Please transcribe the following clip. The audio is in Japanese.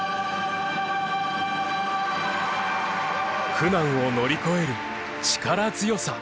苦難を乗り越える力強さ。